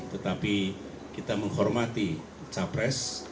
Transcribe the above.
tetapi kita menghormati cawapres